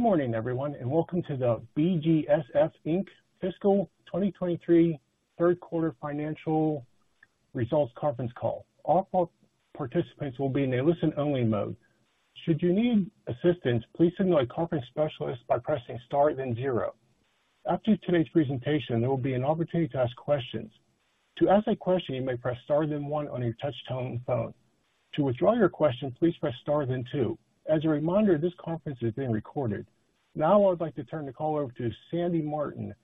Good morning, everyone, and welcome to the BGSF, Inc. Fiscal 2023 third quarter financial results Conference Call. All call participants will be in a listen-only mode. Should you need assistance, please signal a conference specialist by pressing star then zero. After today's presentation, there will be an opportunity to ask questions. To ask a question, you may press star then one on your touchtone phone. To withdraw your question, please press star then two. As a reminder, this conference is being recorded. Now, I would like to turn the call over to Sandy Martin,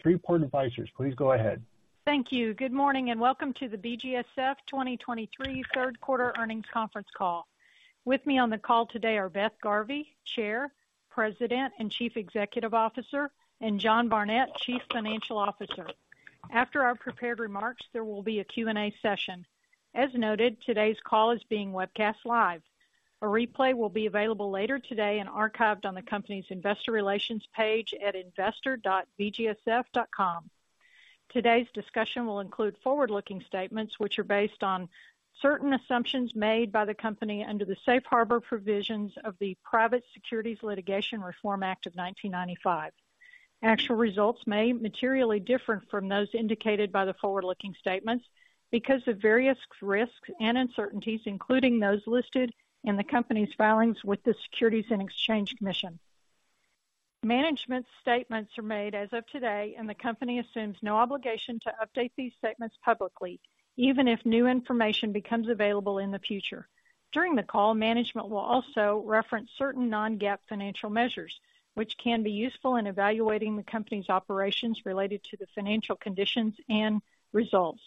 Three Part Advisors. Please go ahead. Thank you. Good morning, and welcome to the BGSF 2023 third quarter Earnings Conference Call. With me on the call today are Beth Garvey, Chair, President, and Chief Executive Officer, and John Barnett, Chief Financial Officer. After our prepared remarks, there will be a Q&A session. As noted, today's call is being webcast live. A replay will be available later today and archived on the company's investor relations page at investor.bgsf.com. Today's discussion will include forward-looking statements, which are based on certain assumptions made by the company under the Safe Harbor Provisions of the Private Securities Litigation Reform Act of 1995. Actual results may materially differ from those indicated by the forward-looking statements because of various risks and uncertainties, including those listed in the company's filings with the Securities and Exchange Commission. Management's statements are made as of today, and the company assumes no obligation to update these statements publicly, even if new information becomes available in the future. During the call, management will also reference certain non-GAAP financial measures, which can be useful in evaluating the company's operations related to the financial conditions and results.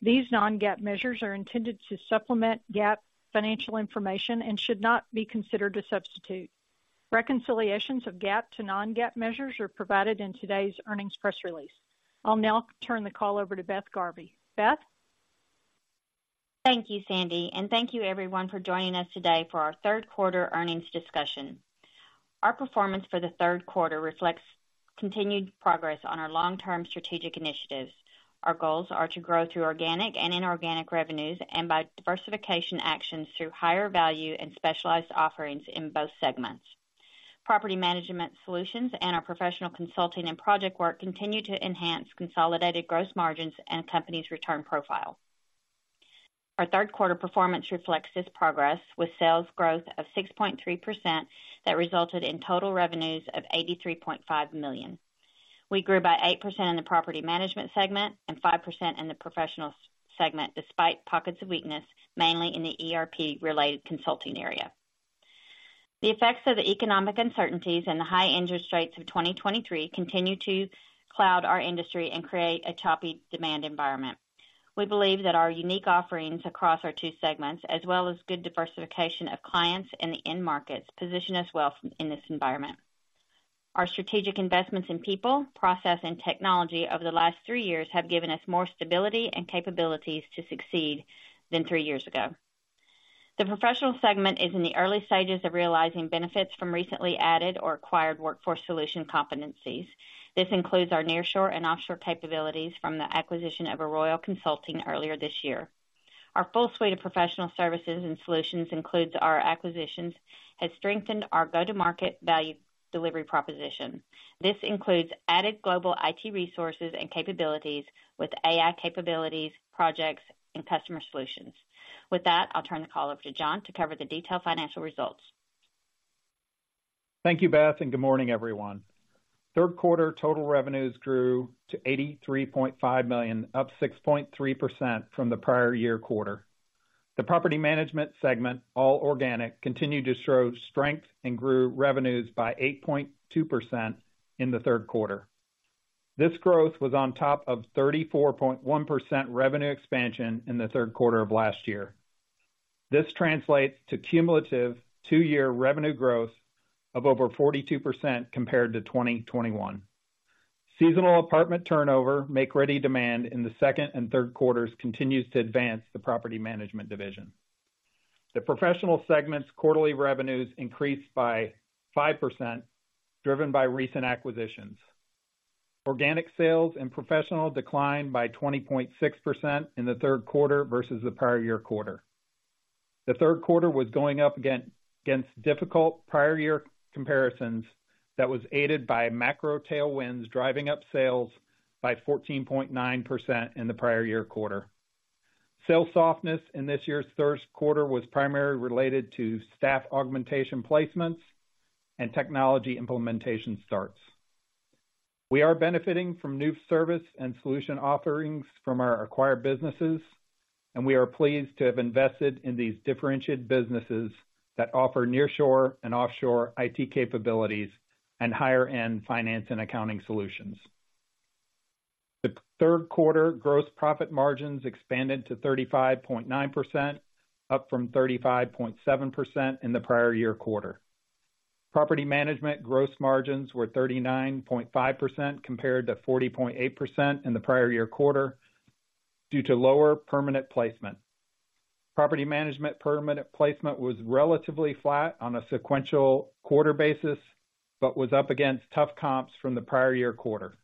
These non-GAAP measures are intended to supplement GAAP financial information and should not be considered a substitute. Reconciliations of GAAP to non-GAAP measures are provided in today's earnings press release. I'll now turn the call over to Beth Garvey. Beth? Thank you, Sandy, and thank you everyone for joining us today for our third quarter earnings discussion. Our performance for the third quarter reflects continued progress on our long-term strategic initiatives. Our goals are to grow through organic and inorganic revenues and by diversification actions through higher value and specialized offerings in both segments. Property management solutions and our professional consulting and project work continue to enhance consolidated gross margins and company's return profile. Our third quarter performance reflects this progress, with sales growth of 6.3% that resulted in total revenues of $83.5 million. We grew by 8% in the property management segment and 5% in the professional segment, despite pockets of weakness, mainly in the ERP-related consulting area. The effects of the economic uncertainties and the high interest rates of 2023 continue to cloud our industry and create a choppy demand environment. We believe that our unique offerings across our two segments, as well as good diversification of clients in the end markets, position us well in this environment. Our strategic investments in people, process, and technology over the last three years have given us more stability and capabilities to succeed than three years ago. The professional segment is in the early stages of realizing benefits from recently added or acquired workforce solution competencies. This includes our nearshore and offshore capabilities from the acquisition of Arroyo Consulting earlier this year. Our full suite of professional services and solutions includes our acquisitions, has strengthened our go-to-market value delivery proposition. This includes added global IT resources and capabilities with AI capabilities, projects, and customer solutions. With that, I'll turn the call over to John to cover the detailed financial results. Thank you, Beth, and good morning, everyone. Third quarter total revenues grew to $83.5 million, up 6.3% from the prior year quarter. The property management segment, all organic, continued to show strength and grew revenues by 8.2% in the third quarter. This growth was on top of 34.1% revenue expansion in the third quarter of last year. This translates to cumulative two-year revenue growth of over 42% compared to 2021. Seasonal apartment turnover make-ready demand in the second and third quarters continues to advance the property management division. The professional segment's quarterly revenues increased by 5%, driven by recent acquisitions. Organic sales and professional declined by 20.6% in the third quarter versus the prior year quarter. The third quarter was going up again against difficult prior year comparisons that was aided by macro tailwinds, driving up sales by 14.9% in the prior year quarter. Sales softness in this year's first quarter was primarily related to staff augmentation placements and technology implementation starts. We are benefiting from new service and solution offerings from our acquired businesses, and we are pleased to have invested in these differentiated businesses that offer nearshore and offshore IT capabilities and higher-end finance and accounting solutions. The third quarter gross profit margins expanded to 35.9%, up from 35.7% in the prior year quarter. Property management gross margins were 39.5% compared to 40.8% in the prior year quarter, due to lower permanent placement. Property management permanent placement was relatively flat on a sequential quarter basis, but was up against tough comps from the prior year quarter.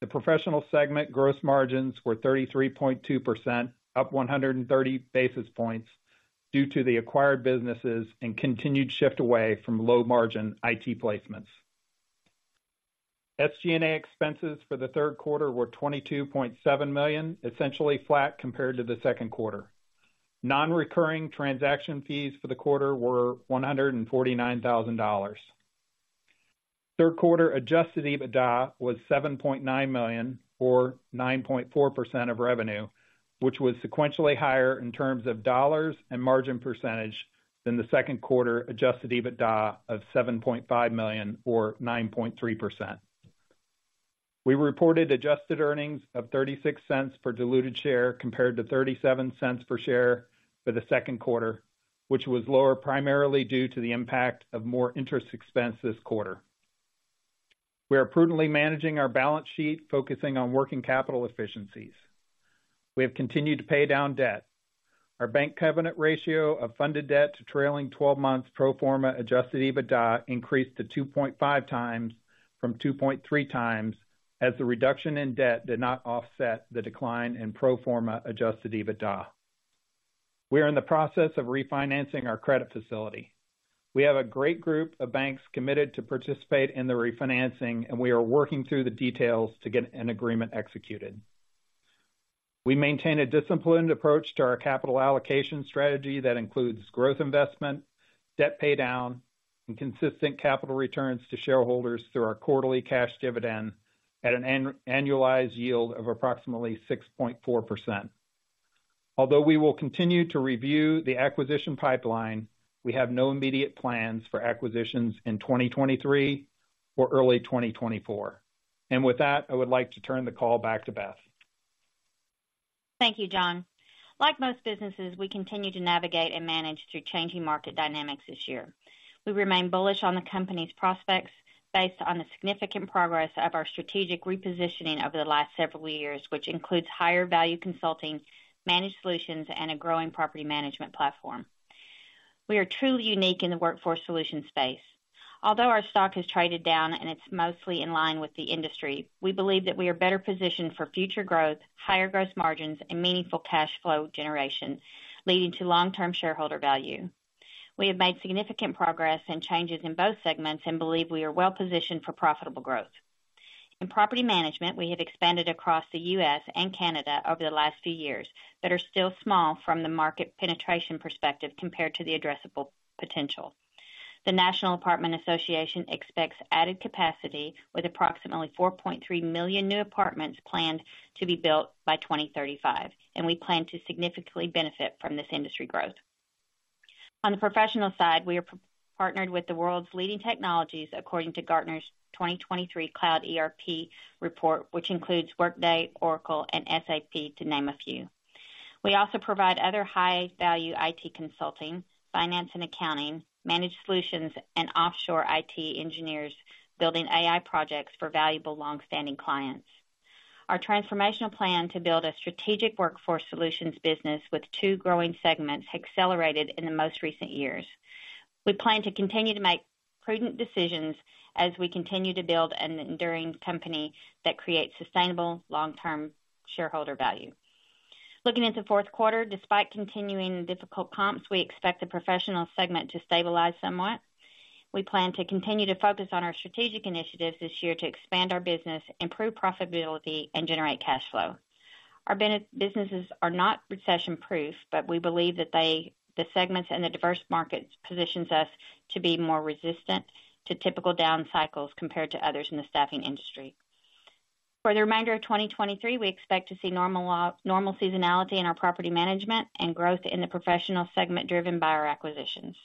The Professional segment gross margins were 33.2%, up 130 basis points, due to the acquired businesses and continued shift away from low-margin IT placements. SG&A expenses for the third quarter were $22.7 million, essentially flat compared to the second quarter. Non-recurring transaction fees for the quarter were $149,000. Third quarter adjusted EBITDA was $7.9 million, or 9.4% of revenue, which was sequentially higher in terms of dollars and margin percentage than the second quarter adjusted EBITDA of $7.5 million or 9.3%. We reported adjusted earnings of $0.36 per diluted share, compared to $0.37 per share for the second quarter, which was lower primarily due to the impact of more interest expense this quarter. We are prudently managing our balance sheet, focusing on working capital efficiencies. We have continued to pay down debt. Our bank covenant ratio of funded debt to trailing twelve months pro forma Adjusted EBITDA increased to 2.5 times from 2.3 times, as the reduction in debt did not offset the decline in pro forma Adjusted EBITDA. We are in the process of refinancing our credit facility. We have a great group of banks committed to participate in the refinancing, and we are working through the details to get an agreement executed. We maintain a disciplined approach to our capital allocation strategy that includes growth investment, debt paydown, and consistent capital returns to shareholders through our quarterly cash dividend at an annualized yield of approximately 6.4%. Although we will continue to review the acquisition pipeline, we have no immediate plans for acquisitions in 2023 or early 2024. With that, I would like to turn the call back to Beth. Thank you, John. Like most businesses, we continue to navigate and manage through changing market dynamics this year. We remain bullish on the company's prospects based on the significant progress of our strategic repositioning over the last several years, which includes higher value consulting, managed solutions, and a growing property management platform. We are truly unique in the workforce solutions space. Although our stock has traded down and it's mostly in line with the industry, we believe that we are better positioned for future growth, higher gross margins, and meaningful cash flow generation, leading to long-term shareholder value. We have made significant progress and changes in both segments and believe we are well positioned for profitable growth. In property management, we have expanded across the U.S. and Canada over the last few years, but are still small from the market penetration perspective compared to the addressable potential. The National Apartment Association expects added capacity with approximately 4.3 million new apartments planned to be built by 2035, and we plan to significantly benefit from this industry growth. On the professional side, we are partnered with the world's leading technologies, according to Gartner's 2023 Cloud ERP report, which includes Workday, Oracle, and SAP, to name a few. We also provide other high-value IT consulting, finance and accounting, managed solutions, and offshore IT engineers building AI projects for valuable long-standing clients. Our transformational plan to build a strategic workforce solutions business with two growing segments accelerated in the most recent years. We plan to continue to make prudent decisions as we continue to build an enduring company that creates sustainable, long-term shareholder value. Looking into the fourth quarter, despite continuing difficult comps, we expect the Professional segment to stabilize somewhat. We plan to continue to focus on our strategic initiatives this year to expand our business, improve profitability, and generate cash flow. Our businesses are not recession-proof, but we believe that they, the segments and the diverse markets, positions us to be more resistant to typical down cycles compared to others in the staffing industry. For the remainder of 2023, we expect to see normal seasonality in our property management and growth in the Professional segment, driven by our acquisitions.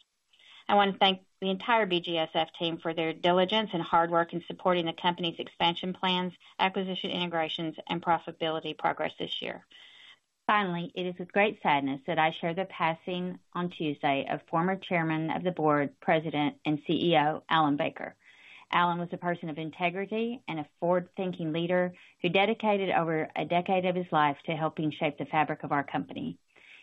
I want to thank the entire BGSF team for their diligence and hard work in supporting the company's expansion plans, acquisition integrations, and profitability progress this year. Finally, it is with great sadness that I share the passing on Tuesday of former chairman of the board, president, and CEO, Alan Baker. Alan was a person of integrity and a forward-thinking leader who dedicated over a decade of his life to helping shape the fabric of our company.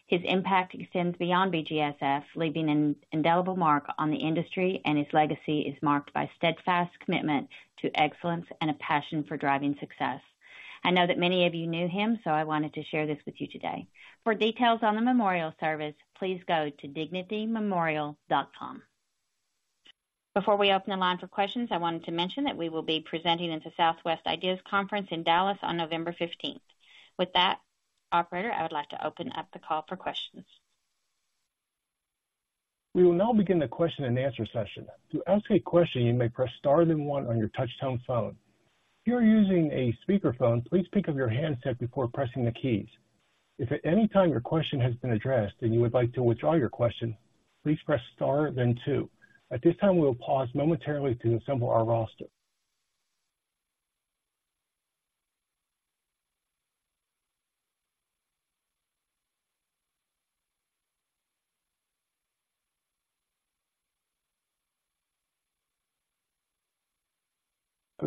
His impact extends beyond BGSF, leaving an indelible mark on the industry, and his legacy is marked by steadfast commitment to excellence and a passion for driving success. I know that many of you knew him, so I wanted to share this with you today. For details on the memorial service, please go to dignitymemorial.com. Before we open the line for questions, I wanted to mention that we will be presenting at the Southwest IDEAS Conference in Dallas on November fifteenth. With that, Operator, I would like to open up the call for questions. We will now begin the question-and-answer session. To ask a question, you may press star then one on your touchtone phone. If you are using a speakerphone, please pick up your handset before pressing the keys. If at any time your question has been addressed and you would like to withdraw your question, please press star then two. At this time, we will pause momentarily to assemble our roster.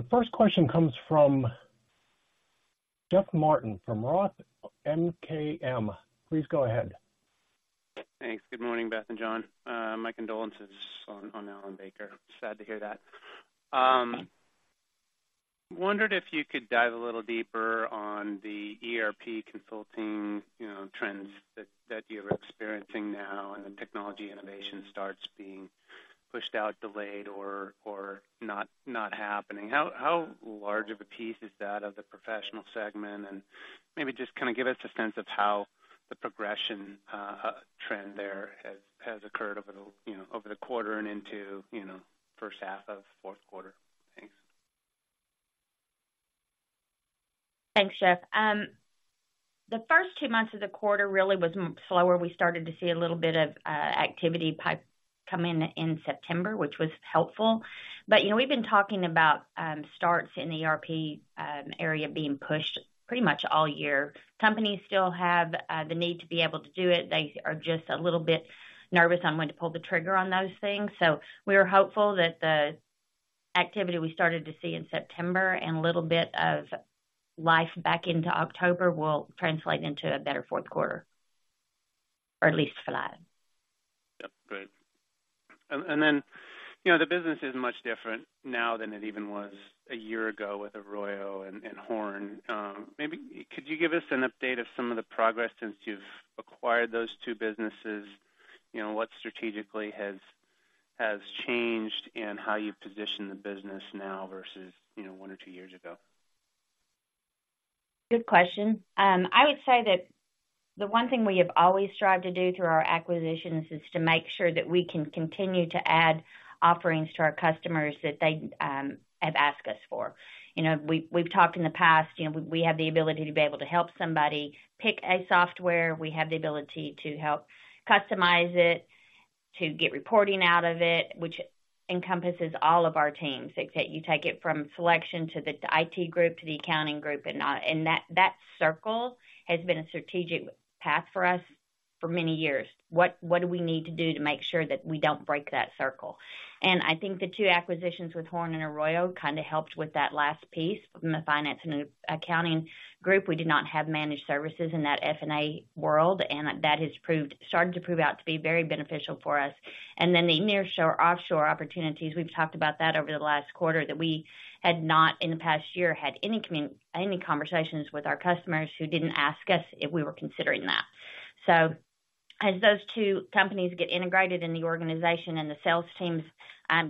The first question comes from Jeff Martin from Roth MKM. Please go ahead.... Thanks. Good morning, Beth and John. My condolences on Alan Baker. Sad to hear that. Wondered if you could dive a little deeper on the ERP consulting, you know, trends that you're experiencing now, and the technology innovation starts being pushed out, delayed, or not happening. How large of a piece is that of the professional segment? And maybe just kind of give us a sense of how the progression, trend there has occurred over the, you know, over the quarter and into, you know, first half of fourth quarter. Thanks. Thanks, Jeff. The first two months of the quarter really was slower. We started to see a little bit of activity pipeline come in in September, which was helpful. But, you know, we've been talking about starts in the ERP area being pushed pretty much all year. Companies still have the need to be able to do it. They are just a little bit nervous on when to pull the trigger on those things. So we are hopeful that the activity we started to see in September and a little bit of life back into October will translate into a better fourth quarter, or at least flatten. Yep, great. And then, you know, the business is much different now than it even was a year ago with Arroyo and Horn. Maybe could you give us an update of some of the progress since you've acquired those two businesses? You know, what strategically has changed in how you position the business now versus, you know, one or two years ago? Good question. I would say that the one thing we have always strived to do through our acquisitions is to make sure that we can continue to add offerings to our customers that they have asked us for. You know, we've talked in the past, you know, we have the ability to be able to help somebody pick a software. We have the ability to help customize it, to get reporting out of it, which encompasses all of our teams. Except you take it from selection to the IT group, to the accounting group, and all. And that circle has been a strategic path for us for many years. What do we need to do to make sure that we don't break that circle? And I think the two acquisitions with Horn and Arroyo kind of helped with that last piece. From the finance and accounting group, we did not have managed services in that F&A world, and that has started to prove out to be very beneficial for us. And then the nearshore, offshore opportunities, we've talked about that over the last quarter, that we had not, in the past year, had any conversations with our customers who didn't ask us if we were considering that. So as those two companies get integrated in the organization and the sales teams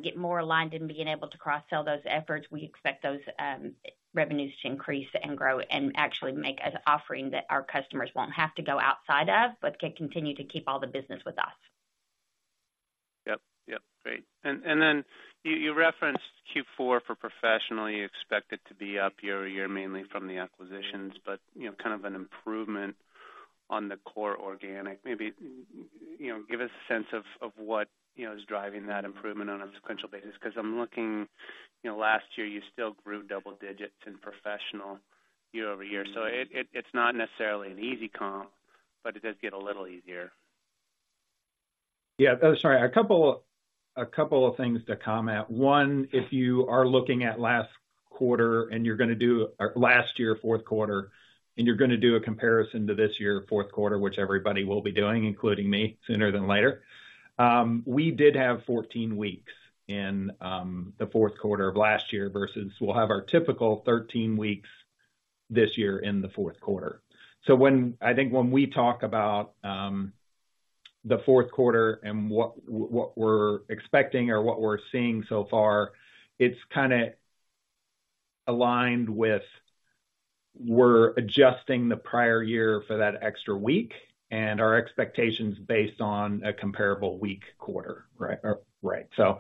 get more aligned in being able to cross-sell those efforts, we expect those revenues to increase and grow and actually make an offering that our customers won't have to go outside of, but can continue to keep all the business with us. Yep, yep, great. And, and then you, you referenced Q4 for professional. You expect it to be up year-over-year, mainly from the acquisitions, but, you know, kind of an improvement on the core organic. Maybe, you know, give us a sense of, of what, you know, is driving that improvement on a sequential basis, because I'm looking, you know, last year you still grew double digits in professional year-over-year. So it, it's not necessarily an easy comp, but it does get a little easier. Yeah. Sorry, a couple of things to comment. One, if you are looking at last quarter and you're going to do last year, fourth quarter, and you're going to do a comparison to this year, fourth quarter, which everybody will be doing, including me, sooner than later. We did have 14 weeks in the fourth quarter of last year versus we'll have our typical 13 weeks this year in the fourth quarter. So when I think when we talk about the fourth quarter and what we're expecting or what we're seeing so far, it's kind of aligned with we're adjusting the prior year for that extra week and our expectations based on a comparable week quarter, right? Right. So,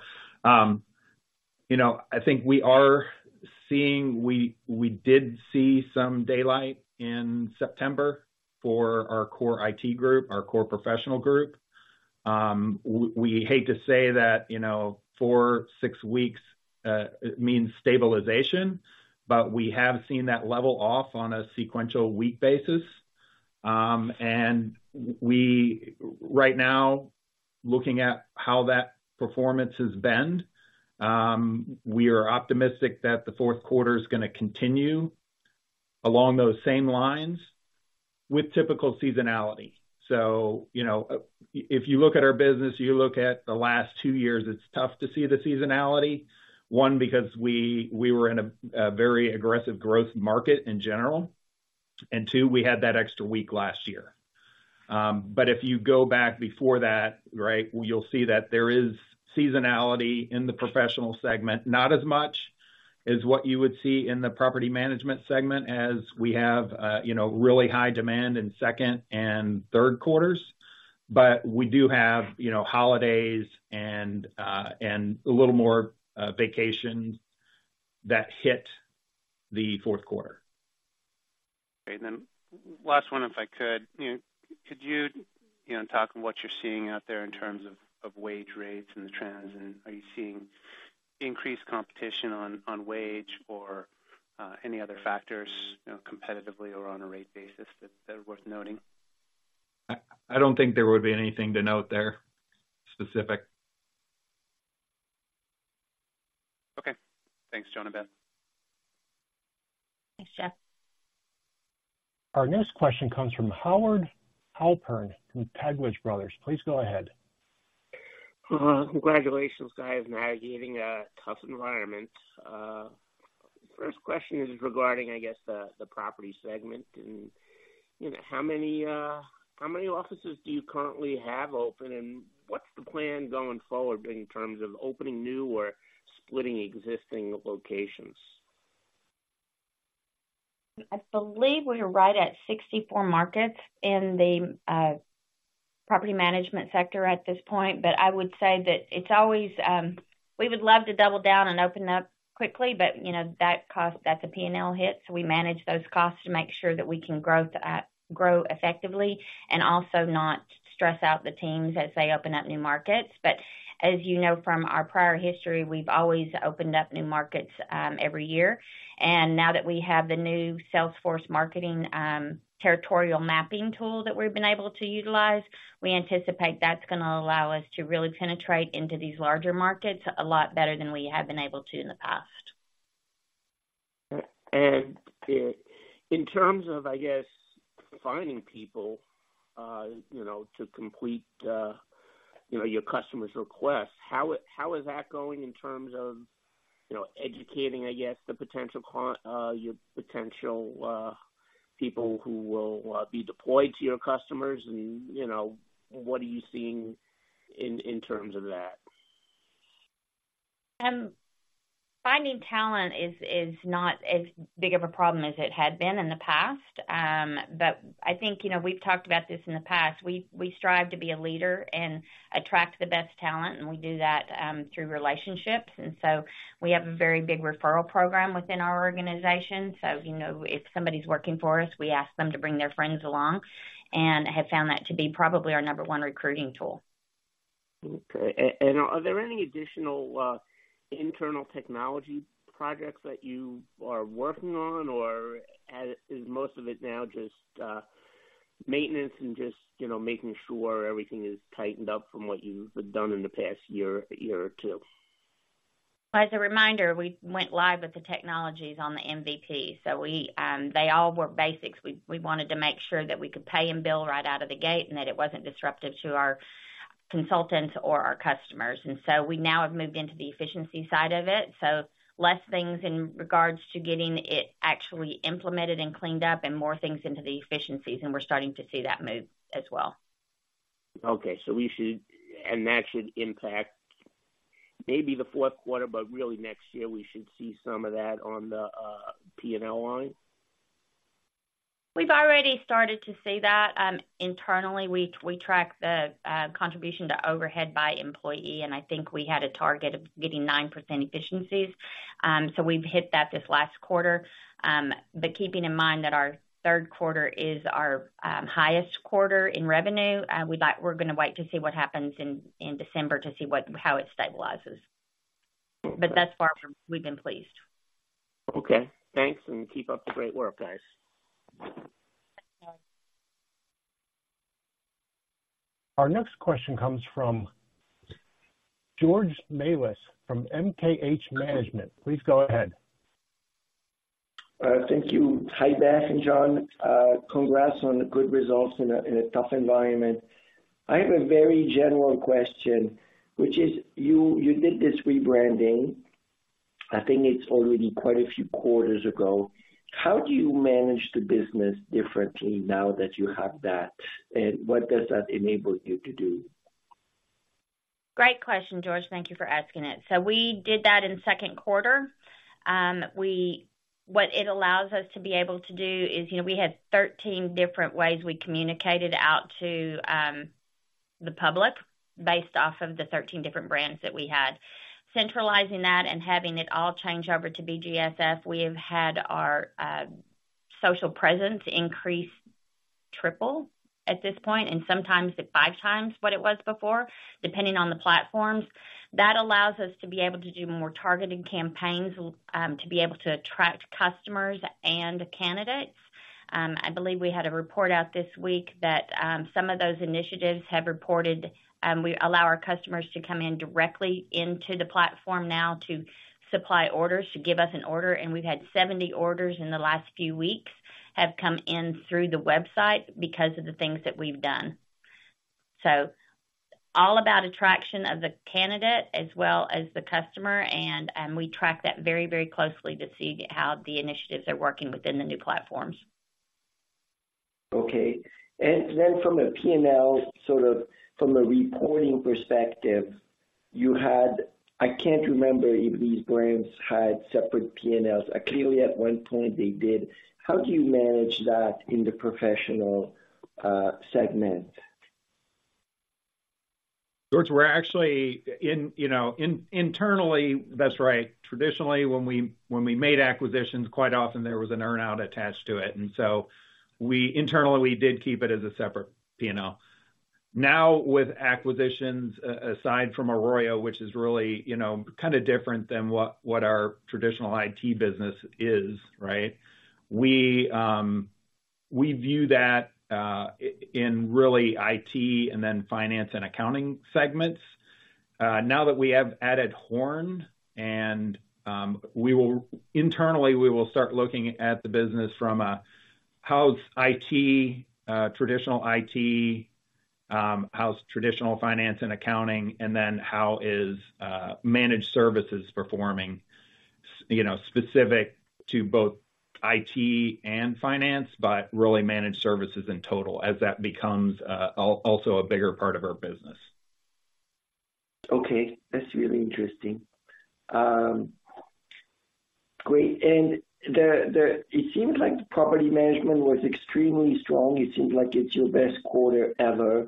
you know, I think we are seeing... We did see some daylight in September for our core IT group, our core professional group. We hate to say that, you know, four-six weeks means stabilization, but we have seen that level off on a sequential week basis. And right now, looking at how that performance has been, we are optimistic that the fourth quarter is going to continue along those same lines with typical seasonality. So, you know, if you look at our business, you look at the last two years, it's tough to see the seasonality. One, because we were in a very aggressive growth market in general, and two, we had that extra week last year. But if you go back before that, right, you'll see that there is seasonality in the professional segment, not as much as what you would see in the property management segment as we have, you know, really high demand in second and third quarters. But we do have, you know, holidays and a little more vacation that hit the fourth quarter. Great. Then last one, if I could. You know, could you, you know, talk on what you're seeing out there in terms of wage rates and the trends, and are you seeing increased competition on wage or, any other factors, you know, competitively or on a rate basis that are worth noting? I don't think there would be anything to note there specific.... Thanks, John and Beth. Thanks, Jeff. Our next question comes from Howard Halpern with Taglich Brothers. Please go ahead. Congratulations, guys, navigating a tough environment. First question is regarding, I guess, the property segment, and, you know, how many offices do you currently have open? And what's the plan going forward in terms of opening new or splitting existing locations? I believe we're right at 64 markets in the property management sector at this point. But I would say that it's always we would love to double down and open up quickly, but, you know, that cost, that's a P&L hit, so we manage those costs to make sure that we can grow effectively and also not stress out the teams as they open up new markets. But as you know from our prior history, we've always opened up new markets every year. And now that we have the new Salesforce marketing territorial mapping tool that we've been able to utilize, we anticipate that's going to allow us to really penetrate into these larger markets a lot better than we have been able to in the past. In terms of, I guess, finding people, you know, to complete, you know, your customer's request, how is that going in terms of, you know, educating, I guess, the potential, your potential people who will be deployed to your customers? You know, what are you seeing in terms of that? Finding talent is not as big of a problem as it had been in the past. But I think, you know, we've talked about this in the past. We strive to be a leader and attract the best talent, and we do that through relationships. And so we have a very big referral program within our organization. So, you know, if somebody's working for us, we ask them to bring their friends along and have found that to be probably our number one recruiting tool. Okay. And are there any additional internal technology projects that you are working on, or is most of it now just maintenance and just, you know, making sure everything is tightened up from what you've done in the past year, year or two? As a reminder, we went live with the technologies on the MVP, so they all were basics. We wanted to make sure that we could pay and bill right out of the gate and that it wasn't disruptive to our consultants or our customers. And so we now have moved into the efficiency side of it. So less things in regards to getting it actually implemented and cleaned up and more things into the efficiencies, and we're starting to see that move as well. Okay. So we should and that should impact maybe the fourth quarter, but really next year, we should see some of that on the P&L line? We've already started to see that. Internally, we track the contribution to overhead by employee, and I think we had a target of getting 9% efficiencies. So we've hit that this last quarter. But keeping in mind that our third quarter is our highest quarter in revenue, we'd like-- we're going to wait to see what happens in December to see what-- how it stabilizes. Okay. But thus far, we've been pleased. Okay, thanks, and keep up the great work, guys. Thanks, Howard. Our next question comes from George Melas from MKH Management. Please go ahead. Thank you. Hi, Beth and John. Congrats on the good results in a tough environment. I have a very general question, which is: You did this rebranding, I think it's already quite a few quarters ago. How do you manage the business differently now that you have that, and what does that enable you to do? Great question, George. Thank you for asking it. So we did that in the second quarter. We—what it allows us to be able to do is, you know, we had 13 different ways we communicated out to the public based off of the 13 different brands that we had. Centralizing that and having it all change over to BGSF, we have had our social presence increase triple at this point, and sometimes it's five times what it was before, depending on the platforms. That allows us to be able to do more targeted campaigns to be able to attract customers and candidates. I believe we had a report out this week that, some of those initiatives have reported, we allow our customers to come in directly into the platform now to supply orders, to give us an order, and we've had 70 orders in the last few weeks, have come in through the website because of the things that we've done. So all about attraction of the candidate as well as the customer, and, we track that very, very closely to see how the initiatives are working within the new platforms. Okay. And then from a P&L, sort of from a reporting perspective, you had... I can't remember if these brands had separate P&Ls. Clearly, at one point, they did. How do you manage that in the professional segment? George, we're actually, you know, internally, that's right. Traditionally, when we made acquisitions, quite often there was an earn-out attached to it, and so we internally did keep it as a separate P&L. Now, with acquisitions, aside from Arroyo, which is really, you know, kind of different than what our traditional IT business is, right? We view that in really IT and then finance and accounting segments. Now that we have added Horn and we will internally start looking at the business from how's IT traditional IT, how's traditional finance and accounting, and then how is managed services performing, you know, specific to both IT and finance, but really managed services in total, as that becomes also a bigger part of our business. Okay, that's really interesting. Great. It seems like property management was extremely strong. It seems like it's your best quarter ever,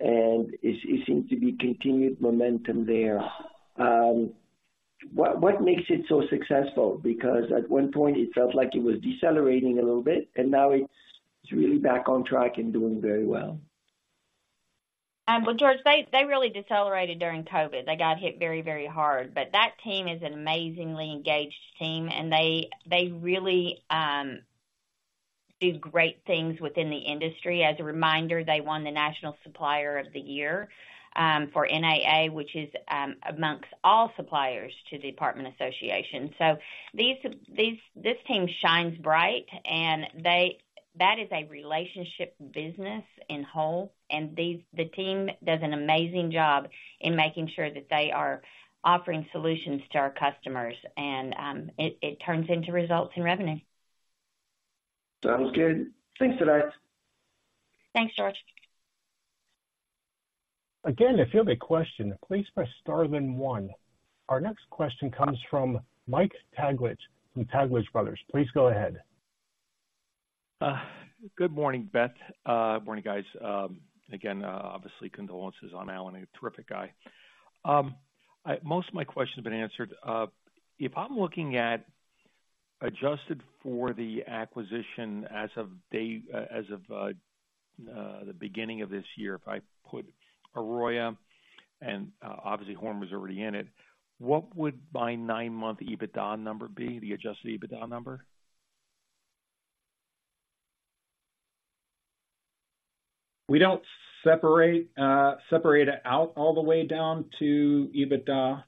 and it seems to be continued momentum there. What makes it so successful? Because at one point, it felt like it was decelerating a little bit, and now it's really back on track and doing very well. Well, George, they really decelerated during COVID. They got hit very, very hard. But that team is an amazingly engaged team, and they really do great things within the industry. As a reminder, they won the National Supplier of the Year for NAA, which is amongst all suppliers to the apartment association. So this team shines bright, and they... That is a relationship business in whole, and the team does an amazing job in making sure that they are offering solutions to our customers, and it turns into results in revenue. Sounds good. Thanks for that. Thanks, George. Again, if you have a question, please press star then one. Our next question comes from Mike Taglich from Taglich Brothers. Please go ahead. Good morning, Beth. Good morning, guys. Again, obviously, condolences on Alan, a terrific guy. Most of my questions have been answered. If I'm looking at adjusted for the acquisition as of date, as of the beginning of this year, if I put Arroyo and, obviously Horn was already in it, what would my nine-month EBITDA number be, the adjusted EBITDA number? We don't separate it out all the way down to EBITDA.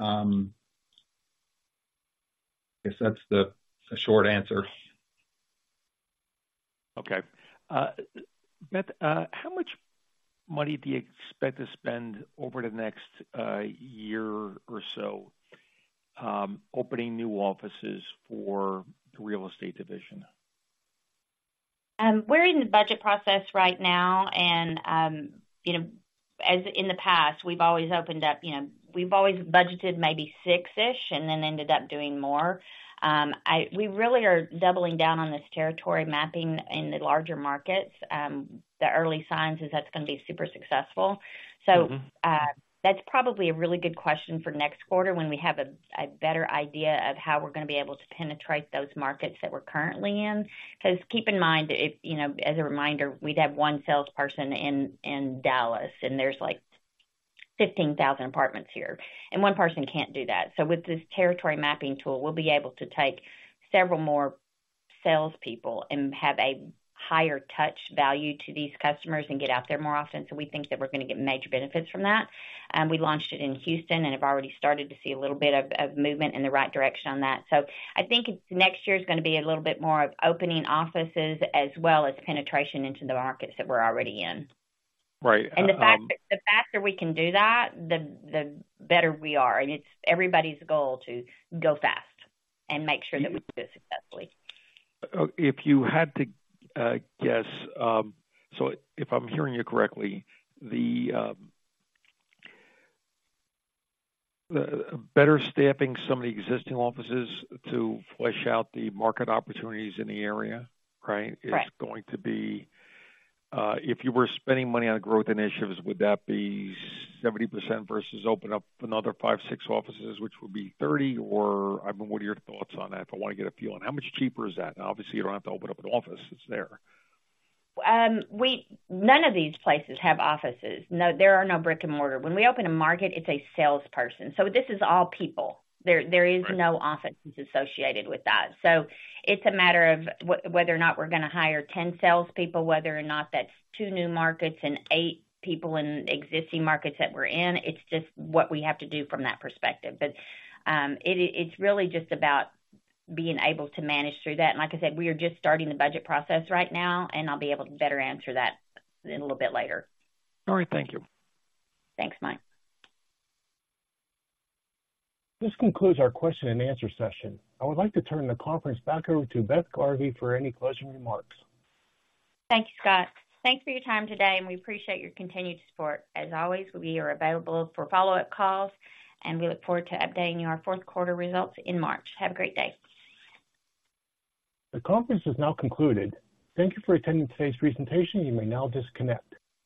Guess that's the short answer. Okay. Beth, how much money do you expect to spend over the next year or so opening new offices for the real estate division? We're in the budget process right now, and, you know, as in the past, we've always opened up, you know, we've always budgeted maybe 6-ish and then ended up doing more. We really are doubling down on this territory mapping in the larger markets. The early signs is that's going to be super successful. Mm-hmm. So, that's probably a really good question for next quarter when we have a better idea of how we're going to be able to penetrate those markets that we're currently in. Because keep in mind, you know, as a reminder, we'd have one salesperson in Dallas, and there's, like, 15,000 apartments here, and one person can't do that. So with this territory mapping tool, we'll be able to take several more salespeople and have a higher touch value to these customers and get out there more often. So we think that we're going to get major benefits from that. We launched it in Houston and have already started to see a little bit of movement in the right direction on that. I think next year is going to be a little bit more of opening offices as well as penetration into the markets that we're already in. Right, um- The fact that the faster we can do that, the better we are. And it's everybody's goal to go fast and make sure that we do it successfully. If you had to guess, so if I'm hearing you correctly, to better staff some of the existing offices to flesh out the market opportunities in the area, right? Right. Is going to be, if you were spending money on growth initiatives, would that be 70% versus open up another five-six offices, which would be 30, or, I mean, what are your thoughts on that? I want to get a feel on how much cheaper is that? Obviously, you don't have to open up an office; it's there. None of these places have offices. No, there are no brick-and-mortar. When we open a market, it's a salesperson. So this is all people. There, there- Right... is no offices associated with that. So it's a matter of whether or not we're going to hire 10 salespeople, whether or not that's two new markets and eight people in existing markets that we're in. It's just what we have to do from that perspective. But, it, it's really just about being able to manage through that. And like I said, we are just starting the budget process right now, and I'll be able to better answer that a little bit later. All right. Thank you. Thanks, Mike. This concludes our question and answer session. I would like to turn the conference back over to Beth Garvey for any closing remarks. Thank you, Scott. Thanks for your time today, and we appreciate your continued support. As always, we are available for follow-up calls, and we look forward to updating our fourth quarter results in March. Have a great day. The conference is now concluded. Thank you for attending today's presentation. You may now disconnect.